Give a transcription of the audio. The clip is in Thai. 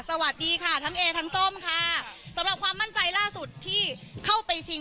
สวัสดีค่ะทั้งเอทั้งส้มค่ะสำหรับความมั่นใจล่าสุดที่เข้าไปชิง